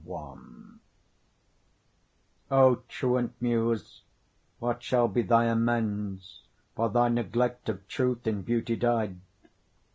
CI O truant Muse what shall be thy amends For thy neglect of truth in beauty dy'd?